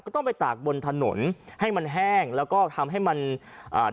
ต้องไปตากบนถนนให้มันแห้งแล้วก็ทำให้มันอ่า